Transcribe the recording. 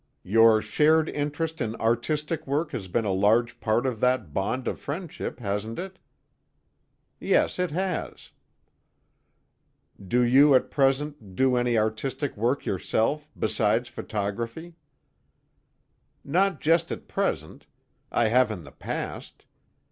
"Your shared interest in artistic work has been a large part of that bond of friendship, hasn't it?" "Yes, it has." "Do you at present do any artistic work yourself, besides photography?" "Not just at present. I have in the past.